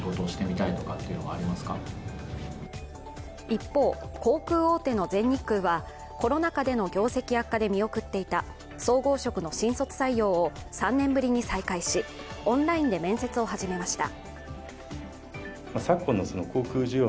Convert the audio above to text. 一方、航空大手の全日空はコロナ禍での業績悪化で見送っていた総合職の新卒採用を３年ぶりに再開し、オンラインで面接を始めました。